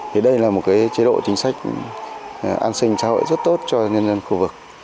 thì đây là một chế độ chính sách an sinh xã hội rất tốt cho nhân dân khu vực